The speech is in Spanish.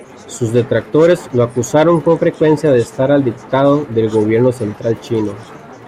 Sus detractores lo acusaron con frecuencia de estar al dictado del Gobierno central chino.